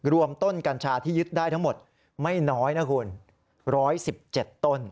รวมต้นกัญชาที่ยึดได้ทั้งหมดไม่น้อยนะคุณ๑๑๗ต้น